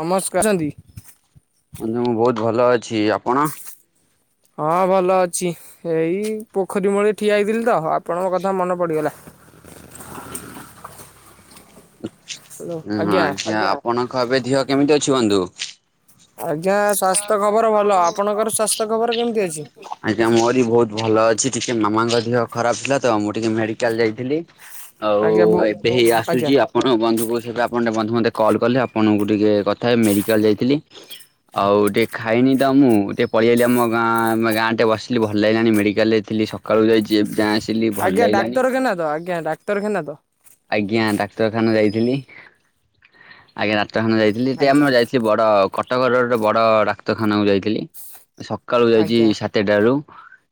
ନମସ୍କାରଛନ୍ତି ମୁଁ ବହୁତ ଭଲ ଅଛି ଆପଣ? ହଁ ଭଲ ଅଛି, ଏଇ ପୋଖରୀ ମୂଳେ ଠିଆ ହେଇଥିଲି ତ ଆପଣଙ୍କ କଥା ମନେ ପଡିଗଲା। [inaudible] ହଁ ଆଜ୍ଞା, ଆପଣଙ୍କ ଏବେ ଦିହ କେମିତି ଅଛି ବନ୍ଧୁ? ଆଜ୍ଞା ସ୍ୱାସ୍ଥ୍ୟ ଖବର ଭଲ ଆପଣଙ୍କର ସ୍ୱାସ୍ଥ୍ୟ ଖବର କେମିତି ଅଛି? ଆଜ୍ଞା ମୋର ବି ବହୁତ ଭଲ ଅଛି। ଟିକେ ମାମାଙ୍କ ଦେହ ଖରାପ ଥିଲା ତ ମୁଁ ଟିକେ ମେଡିକାଲ ଯାଇଥିଲି। ଆଉ ଆଜ୍ଞା ବୋ ଏବେ ହେଇ ଆଜ୍ଞା ଆସୁଛି ଆପଣ ବନ୍ଧୁକ ସେବେ ଆପଣ ଟେ ବନ୍ଧୁ ମତେ କଲ୍ କଲେ ଆପଣଙ୍କୁ ଟିକେ କଥା ହେ ମେଡିକାଲ ଯାଇଥିଲି। ଆଉ ଟିକେ ଖାଇନି ତ ମୁଁ ଟିକେ ପଳେଇଆଲି ଆମ ଗାଁ ଗାଁ ଟେ ବସିଲି ଭଲ ଲାଗିଲାଣି ମେଡିକାଲରେ ଥିଲି। ସକାଳୁ ଯାଇଛି ଏ ଯାଁ ଆଜ୍ଞା ଡାକ୍ତରଖାନା ତ ଆଜ୍ଞା ଡାକ୍ତରଖାନା ତ? ଆଜ୍ଞା ଡାକ୍ତରଖାନା ଯାଇଥିଲି, ଆଜ୍ଞା ଡାକ୍ତରଖାନା ଯାଇଥିଲି ସେ ଆଜ୍ଞା ଆମର ଯାଇଥିଲି ବଡ କଟକର ଗୋଟେ ବଡ ଡାକ୍ତରଖାନାକୁ ଯାଇଥିଲି। ସକାଳୁ ଯାଇଛି ଆଜ୍ଞା ସାତଟା ରୁ।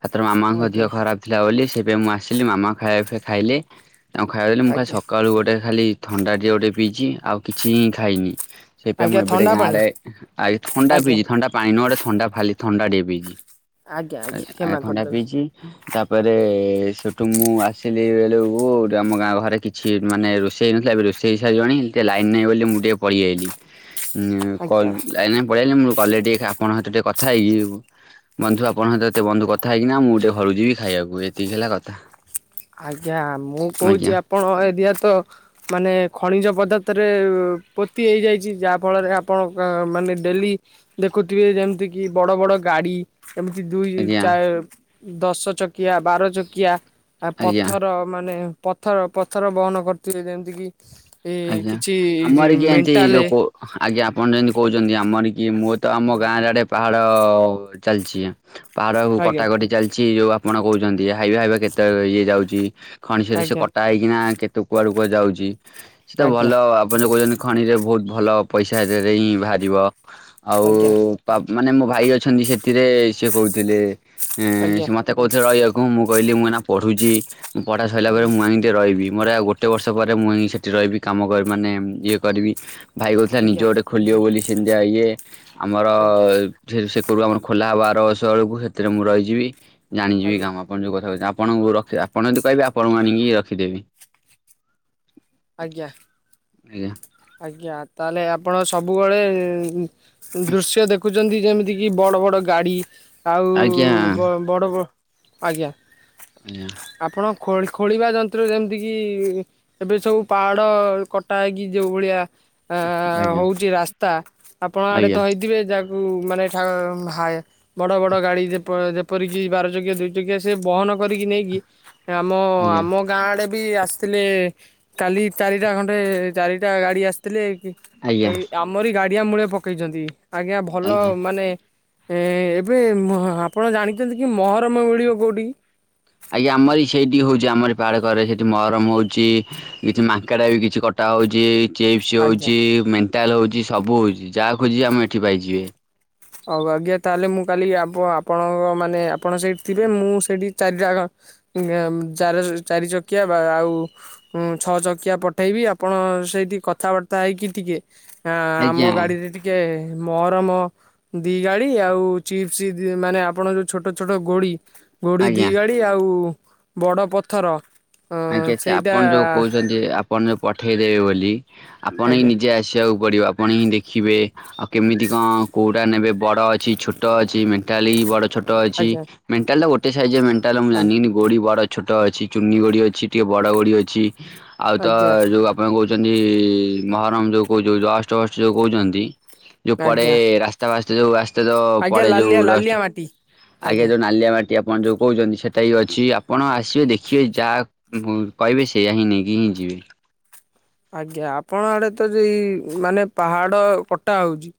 ହଥର ମାମାଙ୍କ ଆଜ୍ଞା ଦିହ ଖରାପ ଥିଲା ବୋଲି, ସେପାଇ ମୁଁ ଆସିଲି ମାମା ଖାଇବା ଖାଇଲେ ତାଙ୍କୁ ଖାଇବା ମୁଁ ଆଜ୍ଞା ସକାଳୁ ଗୋଟେ ଖାଲି ଥଣ୍ଡାଟିଏ ଗୋଟେ ପିଇଛି, ଆଉ କିଛିି ହିଁ ଖାଇନି। ସେଇପାଇଁ ମୁଁ ଆଜ୍ଞା ଏବେ ଟିକେ ଥଣ୍ଡା ଗାଁ ପାଣି ଆଡ଼େ, ଆଜି ଥଣ୍ଡା ଆଜ୍ଞା ପିଇଛି ଥଣ୍ଡା ପାଣି ନୁହେଁ ଥଣ୍ଡା ଖାଲି ଥଣ୍ଡା ଟିକେ ପିଇଛି, ଆଜ୍ଞା କ୍ଷମା ଆଜ୍ଞା ଥଣ୍ଡା କରିଦେବେ ପିଇଛି। ତାପରେ ସେଠୁ ମୁଁ ଆସିଲି ବେଳକୁ ଆମ ଗାଁ ଘରେ କିଛି ଛି ମାନେ ରୋଷେଇ ହେଇ ନଥିଲା ଏବେ ରୋଷେଇ ହେଇ ସାରିବଣୀ, ଟିକେ ଲାଇନ ନାହିଁ ବୋଲି ମୁଁ ଟିକେ ପଳେଇଆାଇଲି। କ ଆଜ୍ଞା ଲାଇନ ପଳେଇ ଆଇଲି ମୁଁ କଲରେ ଟିକେ ଆପଣଙ୍କ ସହିତ ଟିକେ କଥା ହେଇକି ବନ୍ଧୁ ଆପଣଙ୍କ ସହିତ ଏତେ ବନ୍ଧୁ କଥା ହେଇକିନା ମୁଁ ଟିକେ ଘରକୁ ଯିବି ଖାଇବାକୁ ଏତିକି ହେଲା କଥା। ଆଜ୍ଞା ମୁଁ ଆଜ୍ଞା କହୁଛି ଆପଣ ଏ ଦିଆ ତ ମାନେ ଖଣିଜ ପଦାର୍ଥରେ ପୋତି ହେଇଯାଇଛି ଯାହା ଫଳରେ ଆପଣ ମା ଡେଲି ଦେଖୁଥିବେ ଯେମିତି କି ବଡ ବଡ ଗାଡି। ଏମିତି ଦୁଇ ଆଜ୍ଞା ଚା ଦଶ ଚକିଆ, ବାର ଚକିଆ। ଆ ଆଜ୍ଞା। ପଥର ମାନେ ପଥର ପଥର ବହନ କରିଥିବେ, ଯେମିତି କିି ଏ ଆଜ୍ଞା କିଛି ଆମ ଆଡେ କିଏ ଏମତି ମେଣ୍ଟାଲେ ଯୋଉ ଆଜ୍ଞା ଆପଣ ଯେମିତି କହୁଛନ୍ତି ଆମର କି ମୁଁ ତ ଆମ ଗାଁ ଆଡେ ପାହାଡ ଚାଲିଛି। ପାହାଡ଼କୁ ଆଜ୍ଞା କଟାକଟି ଚାଲିଛି ଯୋଉ ଆପଣ କହୁଛନ୍ତି ୟ ହାଇବା ହାଇବା କେତେ ଇଏ ଯାଉଛି, ଖଣିସରେ ସେ ଆଜ୍ଞା କଟା ହେଇକିନା କେତେ କୁଆଡେ କୁଆ ଯାଉଛି। ସେ ତ ଭଲ ଆଜ୍ଞା ଆପଣ ଯୋଉ କହୁଛନ୍ତି ଖଣିରେ ବହୁତ ଭଲ ପଇସାରେ ହିଁ ବାହାରିବ। ଆଉ ଆଜ୍ଞା ମାନେ ମୋ ଭାଇ ଅଛନ୍ତି ସେଥିରେ ସେ କହୁଥିଲେ ଆଜ୍ଞା ହଁ ମତେ କହୁଥିଲେ ରହିବାକୁ, ମୁଁ କହିଲି ମୁଁ ଏଇନା ପଢୁଛି। ପଢ଼ା ସରିଲା ପରେ ଆଜ୍ଞା ମୁଁ ଯାଇଁ ସେଟି ରହିବି, ମୋର ଆଉ ଗୋଟ ବର୍ଷ ପରେ ମୁଁ ଯାଇଁ ସେଠି ରହିବି। କାମ କର ମାନେ ଇଏ କରିବି, ଭାଇ କହୁଥିଲା ନିଜେ ଆଜ୍ଞା ଗୋଟେ ଖୋଲିବ ବୋଲି ସେମିତିଆ ଇଏ ଆମର ଆଜ୍ଞା ସେ ସେ କର ଆମର ଖୋଲା ହବ ବାର ବର୍ଷ ବେଳକୁ, ସେଥିରେ ମୁଁ ରହିଯିବି। ଆଜ୍ଞା ଜାଣିଯିବି ଆଜ୍ଞା କାମ ଆପଣ କଣ ଯୋଉ କଥା କ ଆପଣଙ୍କୁ ରଖି ଆପଣ ଯଦି କହିବେ ଆପଣଙ୍କୁ ଆନିକି ରଖିଦେବି। ଆଜ୍ଞା। ଆଜ୍ଞା। ଆଜ୍ଞା ତାହେଲେ ଆପଣ ସବୁବେଳେ ଉଁ ଦୃଶ୍ୟ ଦେଖୁ ଛନ୍ତି ଯେମିତିକି ବଡ଼ ବଡ଼ ଗାଡ଼ି ଆଜ୍ଞା ଆଜ୍ଞା ଆଉ ବଡ଼ ବ, ଆଜ୍ଞା। ଆଜ୍ଞା। ଖୋଳ ଖୋଳିବା ଯନ୍ତ୍ର ଯେମତିକି ଏବେ ସବୁ ପାହାଡ଼ କଟା ହେଇକି ଯୋଉ ଭଳିଆ ଆ ଆଜ୍ଞା ହଉଛି ରାସ୍ତା, ଆପଣ ଆଡେ ତ ଆଜ୍ଞା ହେଇଥିବେ ଯା କୁ ମାନେ ଠା ହାଏ ବଡ଼ ବଡ଼ ଗାଡ଼ି ଯେପ ଯେପରିକି ବାର ଚକିଆ ଦୁଇ ଚକିଆ ସେ ବହନ କରିକି ନେଇକି ଆମ ଆଜ୍ଞା ଆମ ଗାଁ ଆଡ଼େ ବି ଆସଥିଲେ କାଲି ଚାରିଟା ଖଣ୍ଡେ ଚାରିଟା ଗାଡି ଆସିଥିଲେ କି ଆଜ୍ଞା ଏଇ ଆମରି ଗାଡିଆ ମୂଳେ ପକେଇଚନ୍ତି। ଆଜ୍ଞା, ଭଲ ମାନେ ଏ ଏବେ ଉଁ ଆପଣ ଜାଣିଚନ୍ତି କି ମହରମ ମିଳିବ କୋଉଠି? ଆଜ୍ଞା ଆମରି ସେଇଠି ହଉଚି ଆମରି ପାହାଡ କରେ ସେଠି ମହରମ ହଉଚି କିଛି ମାଙ୍କେଡା ବି କିଛି କଟା ହଉଚି। ଚିପ୍ସ ଆଜ୍ଞା। ହଉଚି ମେଣ୍ଟାଲ ହଉଚି ସବୁ ହଉଚି ଯାହା ଖୋଜିବେ ଆମ ଏଠି ପାଇଯିବେ। ହଉ ଆଜ୍ଞା ତାହେଲେ ମୁଁ କାଲି ଆପଣ ଆପଣଙ୍କ ମାନେ ଆପଣ ସେଇଠି ଥିବେ ମୁଁ ସେଇଠି ଚାରିଟା ଆଉ ଚାର ଚାରି ଚକିଆ ବା ଆଉ ଉଁ ଛଅ ଚକିଆ ପଠେଇବି ଆପଣ ସେଇଠି କଥାବାର୍ତ୍ତା ହେଇକି ଟିକେ ଆ ଆମ ଆଜ୍ଞା ଗାଡିରେ ଟିକେ ମହରମ ଦି ଗାଡି ଆଉ ଚିପ୍ସ ମାନେ ଆପଣ ଯୋଉ ଛୋଟ ଛୋଟ ଗୋଡି ଗୋଡି ଆଜ୍ଞା ଦି ଗାଡି ଆଉ ବଡ ପଥର ଆଜ୍ଞା ସେ ସେଇଟା ଆପଣ ଯୋଉ କହୁଛନ୍ତି ଆପଣ ଯୋଉ ପଠେଇ ଦେବେ ବୋଲି ଆପଣ ହିଁ ଆଜ୍ଞା ନିଜେ ଆସିଆକୁ ପଡିବ ଆପଣ ହିଁ ଦେଖିବେ ଆଉ କେମିତି କଅଁ କୋଉଟା ନେବେ ବଡ ଅଛି ଛୋଟ ଅଛି ମେଣ୍ଟାଲ ବି ବଡ ଛୋଟ ଅଛି, ଆଜ୍ଞା ମେଣ୍ଟାଲଟା ଗୋଟେ ସାଇଜର ମେଣ୍ଟାଲ ମୁଁ ଜାନି କିନ୍ତୁ ଗୋଡି ବଡ ଛୋଟ ଅଛି ଚୁନି ଗଡି ଅଛି ଟିକେ ବଡ ଗୋଡି ଅଛି ଆଉ ଆଜ୍ଞା ତ ଆଜ୍ଞା ଯୋଉ ଆପଣ କହୁ ଚନ୍ତି ମହରମ ଯୋଉ କହୁ ଯୋଉ ଯଷ୍ଟ ଅଷ୍ଟ ଯୋଉ କହୁଛନ୍ତି, ଯୋଉ ପଡେ ଆଜ୍ଞା ରାସ୍ତା ବାସ୍ ସେ ଯୋଉ ଆଜ୍ଞା ପଡେ ଲାଲିଆ ଯୋଉ ଡଷ୍ଟ୍ ଲାଲିଆ ମାଟି ଆଗେ ଆଜ୍ଞା ଯୋଉ ନାଲିଆ ମାଟିଆ ଆପଣ ଯୋଉ କହୁଛନ୍ତି ସେଟା ବି ଅଛି ଆପଣ ଆସିବେ ଦେଖିବେ ଯାହା ମୁଁ କହିଲି ସେଇଆ ହିଁ ନେଇକି ହିଁ ଯିବେ। ଆଜ୍ଞା ଆପଣ ଆଡେ ତ ଯେଇ ମାନେ ପାହାଡ କଟା ହଉଛି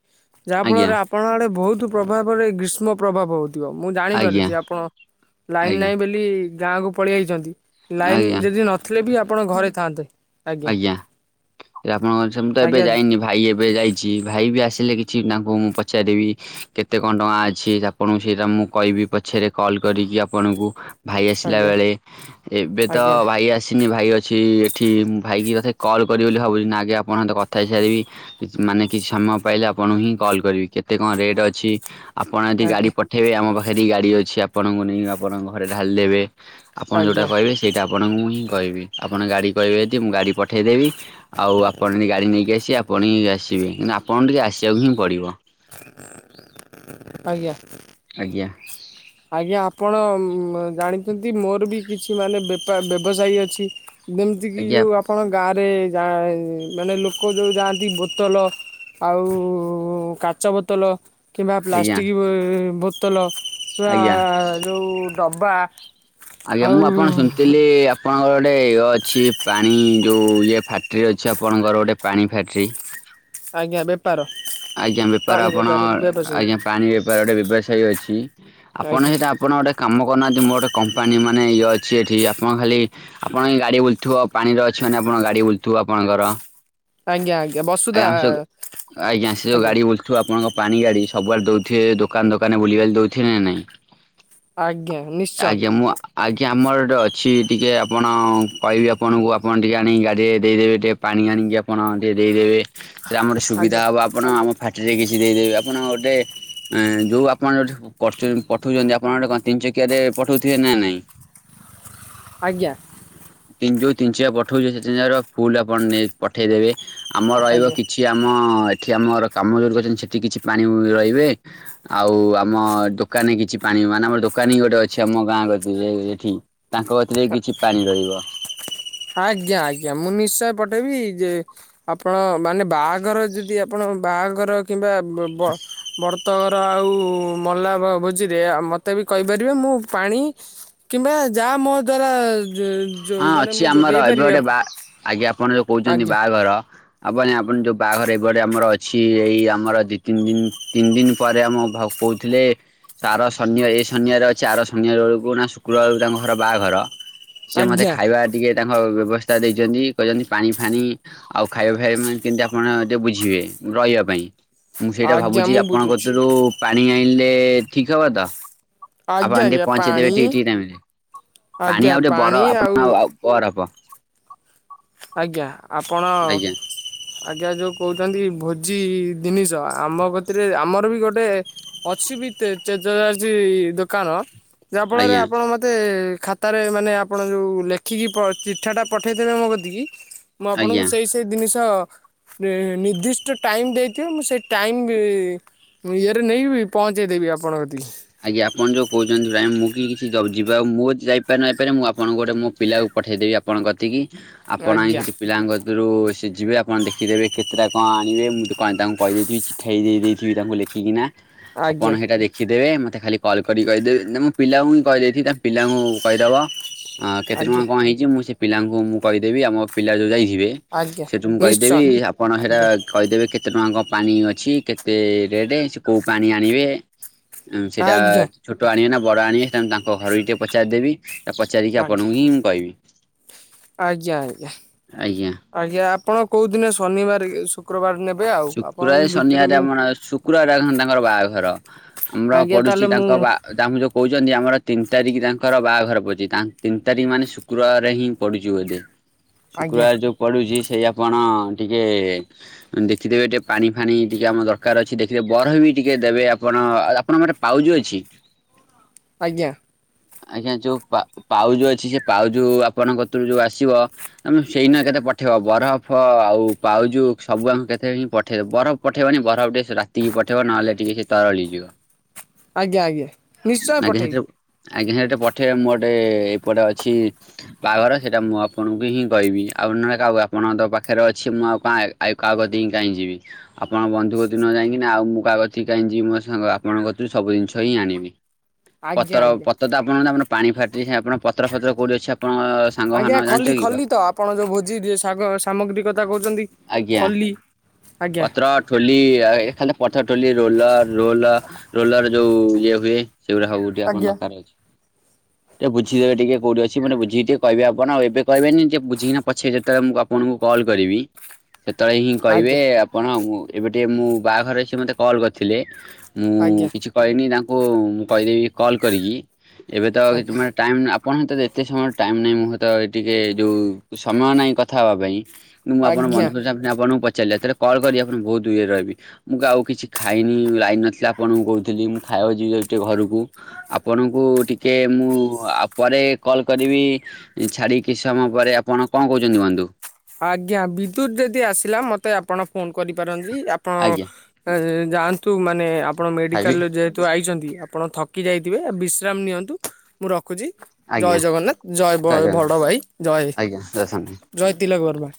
ଯାହା ଆଜ୍ଞା ଫଳରେ ଆପଣଙ୍କ ଆଡେ ବହୁତୁ ପ୍ରଭାବରେ ଗ୍ରୀଷ୍ମ ପ୍ରଭାବ ହଉ ଥିବ ମୁଁ ଆଜ୍ଞା ଜାଣିପାରୁଚି ଆପଣ ଲାଇନ ଆଜ୍ଞା ନାହିଁ ବୋଲି ଗାଁକୁ ପଳେଇ ଆଇଚନ୍ତି। ଲାଇନ ଆଜ୍ଞା ଯଦି ନଥିଲେ ବି ଆପଣ ଘରେ ଥାଆନ୍ତେ। ଆଜ୍ଞା ଆପଣଙ୍କ [unintelligible] ମୁଁ ତ ଏବେ ଆଜ୍ଞା ଯାଇନି ଭାଇ ଏବେ ଯାଇଛି ଭାଇ ବି ଆସିଲେ କିଛି ତାଙ୍କୁ ମୁଁ ପଚାରିବି କେତେ କଣ ଟଙ୍କା ଅଛି ଆପଣଙ୍କୁ ସେଇଟା ମୁଁ କହିବି ପଛରେ କ କଲ୍ କରିକି ଆପଣଙ୍କୁ ଭାଇ ଆସିଲା ଆଜ୍ଞା ବେଳେ ଏବେ ତ ଆଜ୍ଞା ଭାଇ ଆସିନି ଭାଇ ଅଛି ଏଠି ଉଁ ଭାଇକି ବୋଧେ କଲ୍ କରିବି ବୋଲି ଭାବୁଛି ନା ଆଗେ ଆପଣଙ୍କ ସହିତ କଥାହେଇ ସାରିବି କିଛି ମାନେ କିଛି ସମୟ ପାଇଲେ ଆପଣଙ୍କୁ ହିଁ କ କଲ୍ କରିବି କେତେ କଣ ରେଟ୍ ଅଛି ଆପଣ ଯଦି ଗାଡ଼ି ଆଜ୍ଞା ପଠଇବେ ଆମ ପାଖରେ ବି ଗାଡ଼ି ଅଛି ଆପଣଙ୍କୁ ନେଇ ଆପଣଙ୍କ ଘରେ ଢାଳି ଦେବେ। ଆପଣ ଯଉଟା ଆଜ୍ଞା କହିବେ ହିଁ ସେଇଟା ଆପଣଙ୍କୁ ମୁଁ ହିଁ କହିବି ଆପଣ ଗାଡ଼ି କହିବେ ଯଦି ମୁଁ ଗାଡ଼ି ପଠେଇଦେବି। ଆଉ ଆପଣ ଯଦି ଗାଡ଼ି ନେଇକି ଆସିିବେ ଆପଣ ହିଁ ଆସିବେ କିନ୍ତୁ ଆପଣଙ୍କୁ ଟିକେ ଆସିଆକୁ ହିଁ ପଡ଼ିବ। ଆଜ୍ଞା। ଆଜ୍ଞା ଆଜ୍ଞା ଆପଣ ମ-ଉଁ ଜାଣିଛନ୍ତି ମୋର ବି କିଛି ମାନେ ବେପାର ବ୍ୟବସାୟୀ ଅଛି। ଯେମତିକି ଆଜ୍ଞା ଯୋଉ ଆପଣ ଗାଁରେ ଯାଏ ମାନେ ଲୋକ ଯୋଉ ଯାଆନ୍ତି ବୋତଲ ଆଉ କାଚ ବୋତଲ କିମ୍ବା ଆଜ୍ଞା ପ୍ଲାଷ୍ଟିକ ବୋ ବୋତଲ କିମ୍ବା ଆଜ୍ଞା ଯୋଉ ଡବା। ଆଜ୍ଞା ଆଉ ମୁଁ ଆପଣ ଶୁଣଥିଲି ଆପଣଙ୍କର ଗୋଟେ ଇୟ ଅଛି ପାଣି ଯୋଉ ଇଏ ଫ୍ୟାକ୍ଟ୍ରି ଅଛି ଆପଣଙ୍କର ଗୋଟେ ପାଣି ଫ୍ୟାକ୍ଟ୍ରି। ଆଜ୍ଞା ବେପାର ଆଜ୍ଞା ବେପାର ପାଣି ଆପଣ ବ୍ୟବସାୟୀ ଆଜ୍ଞା ପାଣି ବେପାର ଗୋଟେ ବ୍ୟବସାୟ ଅଛି। ଆପଣ ଆଜ୍ଞା ସେଇଟା ଆପଣ ଗୋଟେ କାମ କରୁନାହାନ୍ତି ମୋର ଗୋଟେ କମ୍ପାନୀ ମାନେ ଇଏ ଅଛି ଏଠି ଆପଣ ଖାଲି ଆପଣ ଏ ଗାଡ଼ି ବୁଲଥିବ ପାଣିରେ ଅଛି ମାନେ ଆପଣ ଗାଡି ବୁଲୁଥିବ ଆପଣଙ୍କର। ଆଜ୍ଞା ଆଜ୍ଞା ବସୁଧା ଆଜ୍ଞା ସେ ଯୋଉ- ଆଜ୍ଞା ସେ ଯୋଉ ଆଜ୍ଞା ଗାଡି ବୁଲୁଥିବ ଆପଣଙ୍କ ପାଣି ଗାଡି ସବୁଆଡେ ଦଉଥିବେ ଦୋକାନ ଦୋକାନ ବୁଲିବାଲି ଦଉଥିବେ ନା ନାଇଁ। ଆଜ୍ଞା ନିଶ୍ଚୟ। ଆଜ୍ଞା ମୁଁ ଆଜ୍ଞା ଆମର ଅଛି ଟିକେ ଆପଣ କହିବେ ଆପଣଙ୍କୁ ଆପଣ ଟିକେ ଆଣି ଗାଡିରେ ଦେଇଦେବେ ଟିକେ ପା ପାଣି ଆଣିକି ଆପଣ ଟିକେ ଦେଇଦେବେ ସେଟା ଆମର ସୁବିଧା ଆଜ୍ଞା ହବ ଫ୍ୟାକ୍ଟ୍ରିରେ କିଛି ଦେଇଦେବେ ଆପଣ ଗୋଟେ ଯୋଉ ଆପଣ କରୁଛନ୍ତି ପଠଉଛନ୍ତି ଆପଣ ଗୋଟେ ତିନ ଚକିଆରେ ପଠଉଥିବେ ନା ନାଇଁ ଆଜ୍ଞା। ତିନି ଚକିଆ ପଠଉଛି [unintelligible] ଫୁଲ ଆପଣ ପଠେଇଦେବେ ଆମର ରହିବ ଆଜ୍ଞା କିଛି ଆମ ଏଠି ଆମର କାମ ଜୋର ଅଛନ୍ତି ସେଠି କିଛି ପାଣି ରହିବେ ଆଉ ଆମ ଦୋକାନରେ କିଛି ପାଣି ମାନେ ଆମର ଦୋକାନୀ ଗୋଟେ ଅଛି ଆମ ଗାଁ ଗତିରେ ଏଠି ତାଙ୍କ କତିରେ କିଛି ପାଣି ରହିବ। ଆଜ୍ଞା ଆଜ୍ଞା ମୁଁ ନିଶ୍ଚୟ ପଠେଇବି ଯେ ଆପଣ ମାନେ ବାହାଘର ଯଦି ଆପଣ ବାହାଘର କିମ୍ବା ବ ବ୍ରତଘର ଆଉ ମଲା ଭୋଜିରେ ମତେ ବି କହିପାରିବେ ମୁଁ ପାଣି କିମ୍ବା ଯାହା ମୋ ଦ୍ଵାରା ଯୋ ମାନେ ମୁ ଯୋ ଆର ଏବେ ଗୋଟେ ବା ଆଜ୍ଞା ଆପଣ ଯୋଉ କହୁଛନ୍ତି ଆଜ୍ଞା ବାହାଘର ଆପ ଆପଣ ଯୋଉ ବାହାଘର ଏବେ ଗୋଟେ ଆମର ଅଛି ଏଇ ଆମର ଦି ତିନି ଦିନ ତିନି ଦିନ ପରେ ଆମ କହୁଥିଲେ ଆର ଶନି ଏ ଶନି ବାରେ ଅଛି ଆର ଶନିବାର ବେଳକୁ ନା ଶୁକ୍ର ଭାର ବେଳକୁ ତାଙ୍କ ଘର ବାହାଘର ଘର ସିଏ ମତେ ଆଜ୍ଞା ଖାଇବା ଟିକେ ତାଙ୍କ ବ୍ୟବସ୍ଥା ଦେଇଛନ୍ତି ଛନ୍ତି ପାଣି ଫାଣି ଆଉ ଖାଇବା ଫାଇବା ମାନେ କେମତି ଆପଣ ଟିକେ ବୁଝିବେ ରହିବା ପାଇଁ ମୁଁ ସେଇଟା ଆଜ୍ଞା ଭାବୁଛି ମୁଁ ଆପଣଙ୍କ ବୁଝୁଛି ଥିରୁ ପାଣି ଆଣିଲେ ଠିକ୍ ହେବ ତ। ଆପଣ ଆଜ୍ଞା ଆଜ୍ଞା ଟିକେ ପହଞ୍ଚେଇଦବେ ପାଣି ଟିକେ ଟିକେ ଠିକ୍ ଟାଇମରେ ପାଣି ଆଜ୍ଞା ଆଉ ଗୋଟେ ଟେ ଆପଣ ଆଉ [unintelligible] ଓରପ ଆଜ୍ଞା ଆପଣ ଆଜ୍ଞା ଯୋଉ କହୁଛନ୍ତି ଭୋଜି ଜିନିଷ ଆମ କତିରେ ଆମର ବି ଗୋଟେ ଅଛି କି [unintelligible] ବିୀ [unintelligible] ଦୋକାନ ଯାହା ଫଳରେ ଆଜ୍ଞା ଆପଣ ମତେ ଖାତାରେ ମାନେ ଆପଣ ଯୋଉ ଲେଖିକି ଚିଠା ଟା ପଠେଇଥବେେ ମୋ କତିିକି ମୁଁ ଆପଣଙ୍କୁ ଆଜ୍ଞା। ସେଇ ସେଇ ଜିନିଷ ନିର୍ଦ୍ଦିଷ୍ଟ ଟାଇମ୍ ଦେଇଥିବ ମୁଁ ସେଇ ଟାଇମ ମୁ ୟରେ ନ ବି ପହଞ୍ଚେଇ ଦେବି ଆପଣ [unintelligible] କଦିକି ଆଜ୍ଞା ଆପଣ ଯୋଉ କହୁଛନ୍ତି ଭାଇ ମୁଁ କି କିଛି ଯିବା ମୁଁ ଯାଇପାରେ ନପାରେ ମୁଁ ଆପଣଙ୍କ ଗୋଟେ ମୋ ପିଲା ପଠେଇଦେବି ଆପଣଙ୍କ କତିକି ଆପଣ ଆଇ ଆଜ୍ଞା ସେଠି ପିଲାଙ୍କ ରୁ ସେ ଯିବେ ଆପଣ ଆଣି ଦେଖି ଦେବେ [unintelligible] କେତେଟା କଣ ଆଣିଵେ ମୁଁ ତାଙ୍କୁ କହି ଦେଇ ଥିଵି [unintelligible] ଲେଖିକିନା ଆପଣ ଆଜ୍ଞା ସେଇଟା ଦେଖିଦେବେ ମତେ ମୋତେ ଖାଲି କଲ୍ କରି କହିଦେ ମୁଁ ପିଲାଙ୍କୁ ବି କହିଦେଇଥିଲି ତା ପିଲାଙ୍କୁ କହିଦବ ହଁ କେତେ ଟଙ୍କା ଆଜ୍ଞା କଣ ହେଇଛି, ମୁଁ ସେ ପିଲାଙ୍କୁ ମୁଁ କହିଦେବି ଆମ ପିଲା ଯୋଉ ଯାଇି ଯିବେ ଆଜ୍ଞା ସେଠୁ ମୁଁ କହିଦେବି ନିଶ୍ଚୟ ଆପଣ ସେଟା ଆଜ୍ଞା କହିଦେବେ କେତେ ଟଙ୍କା କଣ ପାଣି ଅଛି କେତେ ରେଟ ରେ ସେ କୋଉ ପାଣି ଆଣିବେ ସେଇଟା ଆଜ୍ଞା ଛୋଟ ଆଣିବେ ନା ବଡ ଆଣିବେ [unintelligible] ତାଙ୍କ ଘର ଟିକେ ପଚାରଦେବି ଏ ପଚାରିକି ଆଜ୍ଞା ଆପଣଙ୍କୁ ହିଁ ମୁଁ କହିବି। ଆଜ୍ଞା ଆଜ୍ଞା ଆଜ୍ଞା ଆଜ୍ଞା ଆପଣ କୋଉ ଦିନେ ଶନିବାର ଶୁକ୍ରବାର ନେ ଶୁକ୍ରବାର ଶନିବାର ଆମର ଶୁକ୍ରବାର [unintelligible] ରଖନ୍ତି ତାଙ୍କର ବାହାଘର । ଆମର ଆଜ୍ଞା ପଡୁଛି ତାହେଲେ ମୁଁ ତାଙ୍କ ବା ତାଙ୍କୁ ଯୋଉ କହୁଛନ୍ତି ଆମର ତିନି ତାରିଖ ତାଙ୍କର ବାହାଘର ପଡୁଛି ତିନି ତାରିଖ ମାନେ ଶୁକ୍ରବାର ହିଁ ପଡୁଛି ବୋଲି ଆଜ୍ଞା ଶୁକ୍ରବାର ଯୋଉ ପଡୁଛି ସେଇ ଆପଣ ଟିକେ ଦେଖିଦେବେ ଟିକେ ପାଣି ଫାଣି ଟିକେ ଆମ ଦରକାର ଅଛି ଦେଖିଦେବେ ବରଫ ବି ଟିକେ ଦେବେ ଆପଣ ଆପଣ ମୋରେ ପାଉଜ ଅଛି ‌? [inaudible] ଆଜ୍ଞା। ଆଜ୍ଞା ଯୋଉ ପା ପାଉଜୁ ଅଛି ସେ ପାଉଜୁ ଆପଣଙ୍କ କତିରୁ ଯୋଉ ଆସିବ ଆମେ ସେଇନା ଏକା ପଠେଇବ ବରଫ ଆଉ ପାଉଜୁ ସବୁ ଆମ କେତେ ହିଁ ପଠେଇବ ବରଫ ପଠେଇବନି ବରଫ ଟେ ରାତି [unintelligible] ପଠେଇବ ନହେଲେ ଟିକେ ସେ ତରଳି ଯିବ। ଆଜ୍ଞା ଆଜ୍ଞା ନିଶ୍ଚୟ ସେଥିରେ ପଠେଇବି। ଆଜ୍ଞା [unintelligible] ପଠେଇବେ ମୁଁ ଗୋଟେ ଏପଟେ ଅଛି ବାହାଘର ସେଇଟା ମୁଁ ଆପଣଙ୍କୁ ହିଁ କହିବି । ଆଉ ନହେଲେ କାହାକୁ ଆପଣଙ୍କ ପାଖରେ ଅଛି ମୁଁ ଆଉ [unintelligible] ଆଉ କାହା କତିିକି କାଇଁ ଯିବି ଆପଣ ବନ୍ଧୁ କତିକି କାହିଁକି ନା ଆଉ ମୁଁ କାହା କତିକି କାଇଁ ଯିବି ମୋ ସାଙ୍ଗ ଆପଣଙ୍କ କତିରୁ ସବୁ ଜିନିଷ ହିଁ ଆଣିବି। ପତର ଆଜ୍ଞା ପତର ତ । ଆପଣ [unintelligible] ପାଣି ଫ୍ୟାକ୍ଟ୍ରି ଆପଣ ପତ୍ର ଫତ୍ର କଉଠି ଅଛି ଆ ଆଜ୍ଞା ଖଲି ଖଲି ତ ଆପଣ ଯୋଉ ଭୋଜି ସା ସାମଗ୍ରୀ କଥା କହୁଛନ୍ତି ଆଜ୍ଞା ଖଲି। [unintelligible] ପତ୍ର ଠୋଲି ଏ [unintelligible] ପତ୍ର ଠୋଲି ରୋଲ ର ରୋଲର ଯୋଉ ଇଏ ହୁଏ ସେଗୁଡା ଆଜ୍ଞା [unintelligible] [inaudible] ସେ ବୁଝିଦେବେ ଟିକେ କଉଠି ଅଛି ମାନେ ବୁଝିିକି ଟିକେ କହିବେ ଆପଣ ଏବେ କହିବେନି ବୁଝିକି ପଛେ ଯେତବେଳେ ମୁଁ ଆପଣ ମୁଁ କଲ କରିବି। ସେତେବେଳେ ହିଁ ଆଜ୍ଞା କହିବେ ଆପଣ ମୁଁ ଏବେ ଟିକେ ମୁଁ ବାହାଘର ଅଛି କଲ କରିଥିଲେ। ଆଜ୍ଞା ମୁଁ କିଛି କହିନି ତାଙ୍କୁ ମୁଁ କହିଦେବି କଲ୍ କରିକି ଏବେ ତ ଆଜ୍ଞା ମାନେ ଟାଇମ୍ ଆପଣ ତ ଏତେ ସମୟର ଟାଇମ୍ ନାହିଁ ମୁଁ ତ ଟିକେ ଯୋଉ ସମୟ ନାହିଁ କଥା ହେବା ପାଇଁ। ମୁଁ ଆପଣ ଆଜ୍ଞା। ବନ୍ଧୁ ଆପଣଙ୍କୁ ପ ଚାଲିବା ଯେତେବେଳେ କଲ କରିିକି ଆପଣ ବହୁତ ଇଏ ରେ ରହିବି ମୁଁ ଆଉ କିଛି ଖାଇନି ଲାଇନ୍ ନଥିଲା ଆପଣଙ୍କୁ କହୁଥିଲି ମୁଁ। ଖାଇବାକୁ ଯିବି ଯାଉଚି ଟିକେ ଘରକୁ। ଆପଣଙ୍କୁ ଟିକେ ମୁଁ ପରେ କଲ୍ କରିବି ଛାଡ଼ି କିଛି ସମୟ ପରେ। ଆପଣ କଣ କହୁଛନ୍ତି ବନ୍ଧୁ। ଆଜ୍ଞା ବିଦ୍ୟୁତ୍ ଯଦି ଆସିଲା ମତେ ଆପଣ ଫୋନ କରିପାରନ୍ତି ଆପଣ ଆଜ୍ଞା ଯାଆନ୍ତୁ ମାନେ ଆପଣ ଖାଇବି ମେଡ଼ିକାଲରେ ଯେହେତୁ ଆଇଛନ୍ତି ଆପଣ ଥକି ଯାଇଥିବେ ବିଶ୍ରାମ ନିଅନ୍ତୁ ମୁଁ ରଖୁଛି। ଆଜ୍ଞା ଜୟ ଜଗନ୍ନାଥ ଜୟ ବ ଆଜ୍ଞା ଭଡ଼ ଭାଇ ଜୟ ଆଜ୍ଞା ଆସନ୍ତୁ। ଜୟ [unintelligible] କରିବା